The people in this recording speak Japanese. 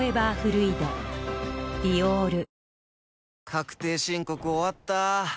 確定申告終わった。